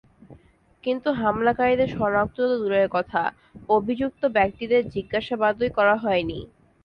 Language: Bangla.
কিন্তু হামলাকারীদের শনাক্ত তো দূরের কথা, অভিযুক্ত ব্যক্তিদের জিজ্ঞাসাবাদই করা হয়নি।